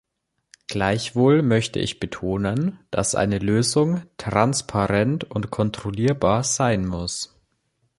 Gleichwohl möchte ich betonen, dass eine Lösung transparent und kontrollierbar sein muss.